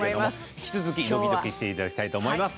引き続きドキドキしていただきたいと思います。